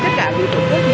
tất cả vì cuộc sống